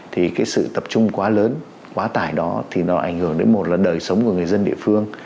thì cái sự tập trung quá lớn quá tải đó thì nó ảnh hưởng đến một là đời sống của người dân địa phương